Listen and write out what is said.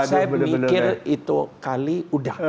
saya mikir itu kali udah